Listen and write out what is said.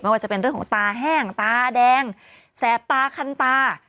ว่าจะเป็นเรื่องของตาแห้งตาแดงแสบตาคันตา